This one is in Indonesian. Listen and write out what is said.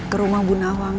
ke rumah bunawang